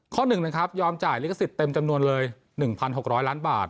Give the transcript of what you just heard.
๑นะครับยอมจ่ายลิขสิทธิ์เต็มจำนวนเลย๑๖๐๐ล้านบาท